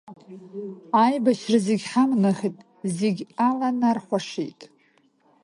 Аибашьра зегь ҳамнахит, зегь аланархәашеит…